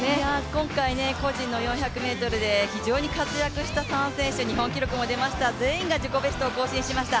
今回、個人の４００ｍで非常に活躍した３選手、日本記録も出ました、全員が自己ベストを更新しました。